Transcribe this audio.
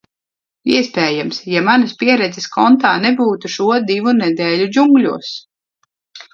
Iespējams, ja manas pieredzes kontā nebūtu šo divu nedēļu džungļos.